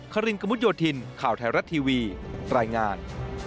ครินกระมุดโยธินข่าวไทยรัฐทีวีรายงาน